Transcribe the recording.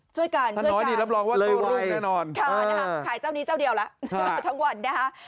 ช่วยกันช่วยกันเลยไว้ช่วยกันค่ะขายเจ้านี้เจ้าเดียวละทั้งวันนะคะ